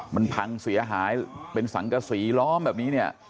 มันพังเสียหายเป็นสังกษีล้อมแบบนี้เนี่ย